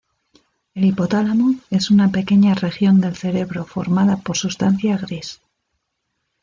El hipotálamo es una pequeña región del cerebro formada por sustancia gris.